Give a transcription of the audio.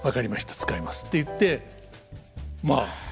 使います」って言ってまあ